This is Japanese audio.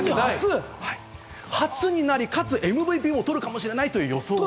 初になり、かつ、ＭＶＰも取るかもしれないという予想です。